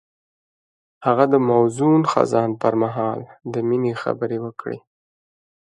هغه د موزون خزان پر مهال د مینې خبرې وکړې.